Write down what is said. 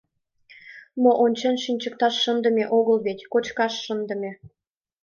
Мо, ончен шинчыкташ шындыме огыл вет, кочкаш шындыме.